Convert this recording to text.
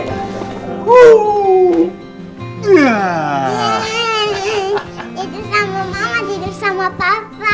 tidur sama mama tidur sama papa